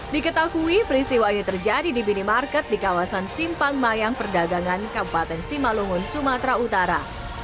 diketahui peristiwa ini terjadi di minimarket di kawasan simpang mayang perdagangan kabupaten simalungun sumatera utara